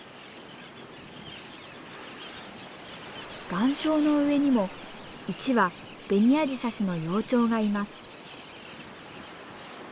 岩礁の上にも１羽ベニアジサシの幼鳥がいます。